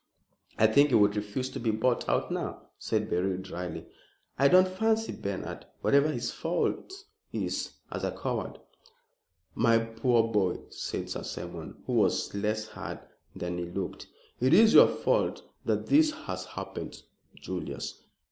"I think he would refuse to be bought out now," said Beryl, dryly. "I don't fancy Bernard, whatever his faults, is a coward." "My poor boy!" said Sir Simon, who was less hard than he looked. "It is your fault that this has happened, Julius."